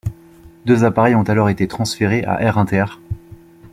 Deux appareils ont alors été transférés à Air Inter.